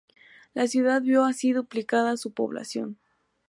La ciudad vio así duplicada su población.